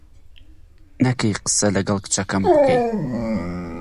نەکەی قسە لەگەڵ کچەکەم بکەی.